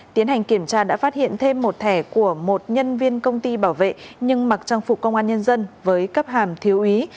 tiến hành kiểm tra đã phát hiện thêm một thẻ của một nhân viên công ty bảo vệ nhưng mặc trang phục công an nhân dân với cấp hàm thiếu úy